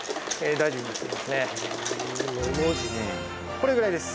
これぐらいです。